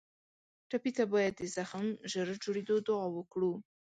ټپي ته باید د زخم ژر جوړېدو دعا وکړو.